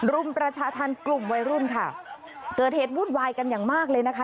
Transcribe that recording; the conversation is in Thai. รุมประชาธรรมกลุ่มวัยรุ่นค่ะเกิดเหตุวุ่นวายกันอย่างมากเลยนะคะ